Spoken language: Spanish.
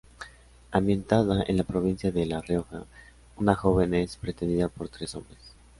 Ambientada en la provincia de La Rioja, una joven es pretendida por tres hombres.